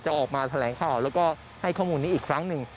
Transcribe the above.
ออกมาแถลงข่าวแล้วก็ให้ข้อมูลนี้อีกครั้งหนึ่ง